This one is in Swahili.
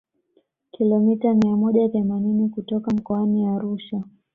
kilomita mia moja themanini kutoka mkoani Arusha